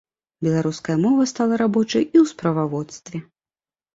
Беларуская мова стала рабочай і ў справаводстве.